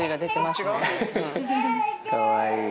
かわいい。